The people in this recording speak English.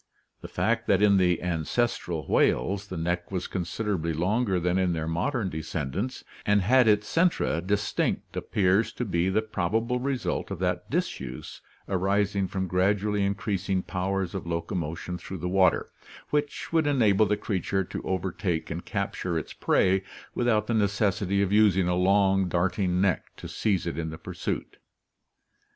The fact that in the ances tral whales the neck was considerably longer than in their modern descendants and had its centra distinct appears to be the probable result of that disuse arising from gradually increasing powers of locomotion through the water, which would enable the creature to overtake and capture its prey without the necessity of using a long darting neck to seize it in the pursuit.